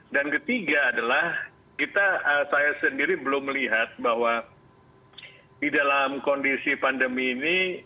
dan ketiga adalah saya sendiri belum melihat bahwa di dalam kondisi pandemi ini